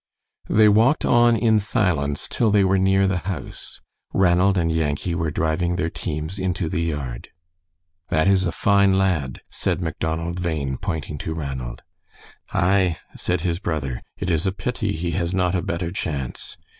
They walked on in silence till they were near the house. Ranald and Yankee were driving their teams into the yard. "That is a fine lad," said Macdonald Bhain, pointing to Ranald. "Aye," said his brother; "it is a pity he has not a better chance.